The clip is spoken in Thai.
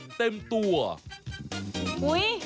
มีแบบเต็มตัวด้วย